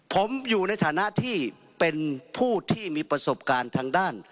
ผมอยู่ในฐานะที่เป็นผู้ที่มีประสบการณ์ทางด้าน